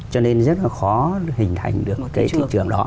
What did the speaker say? cho nên rất là khó hình thành được cái thị trường đó